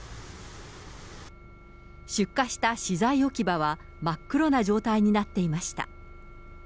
出火した資材置き場は真っ黒な状態になっていました。